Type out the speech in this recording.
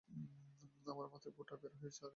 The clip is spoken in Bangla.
আমার মাথায় গোটা বের হয়েছে আর এগুলো অনেক চুলকায়।